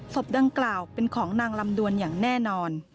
ศพดังกล่าวเป็นของนางลำดวนอย่างแน่นอน